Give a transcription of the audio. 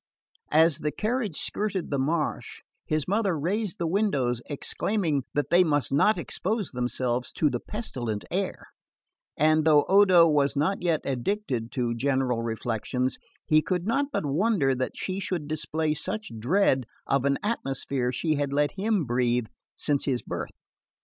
As the carriage skirted the marsh his mother raised the windows, exclaiming that they must not expose themselves to the pestilent air; and though Odo was not yet addicted to general reflections, he could not but wonder that she should display such dread of an atmosphere she had let him breathe since his birth.